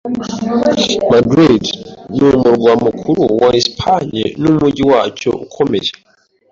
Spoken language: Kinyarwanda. Madrid ni umurwa mukuru wa Espagne n'umujyi wacyo ukomeye.